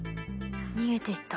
逃げていった。